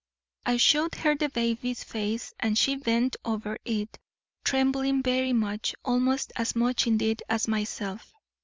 "I showed her the baby's face, and she bent over it, trembling very much, almost as much indeed as myself.